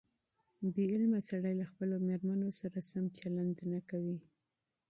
بې علمه سړي له خپلو مېرمنو سره سم چلند نه کوي.